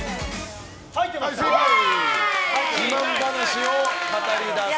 自慢話を語り出す。